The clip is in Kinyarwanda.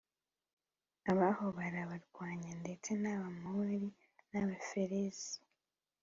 abaho barabarwanya ndetse n Abamori n Abaferizi